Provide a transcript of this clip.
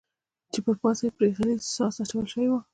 چې پر پاسه یې پرې غلیظ ساس اچول شوی و.